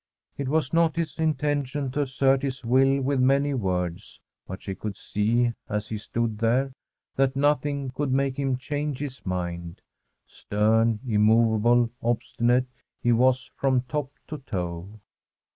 It was not his intention to assert his will with many words, but she could see, as he stood there, that nothing could make him change his mind. Stern, immovable, obstinate he was from top to toe.